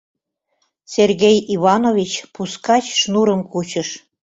Сергей Иванович пускач шнурым кучыш.